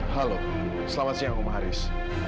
halo selamat siang huma haris